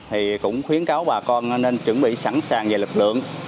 thì cũng khuyến cáo bà con nên chuẩn bị sẵn sàng về lực lượng